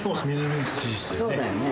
・そうだよね